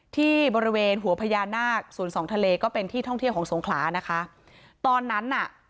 ที่บริเวณหัวพญานาคสวนสองทะเลก็เป็นที่ท่องเที่ยวของสงขลานะคะตอนนั้นน่ะ